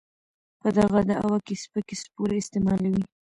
په دغه دعوه کې سپکې سپورې استعمالوي.